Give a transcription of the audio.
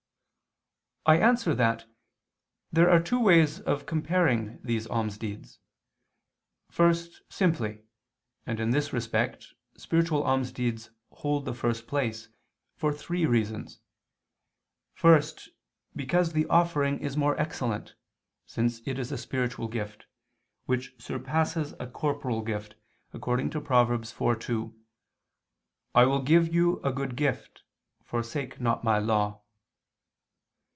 I answer that, There are two ways of comparing these almsdeeds. First, simply; and in this respect, spiritual almsdeeds hold the first place, for three reasons. First, because the offering is more excellent, since it is a spiritual gift, which surpasses a corporal gift, according to Prov. 4:2: "I will give you a good gift, forsake not My Law."